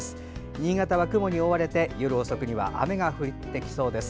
新潟は雲に覆われて夜遅くに雨が降ってきそうです。